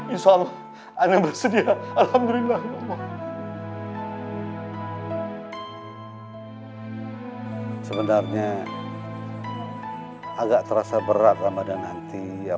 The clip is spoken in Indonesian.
insya allah ana bersedia